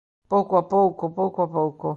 Pouco a pouco, pouco a pouco.